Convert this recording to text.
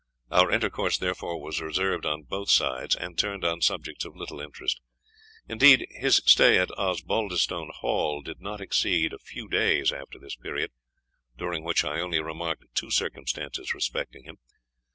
Our intercourse, therefore, was reserved on both sides, and turned on subjects of little interest. Indeed, his stay at Osbaldistone Hall did not exceed a few days after this period, during which I only remarked two circumstances respecting him.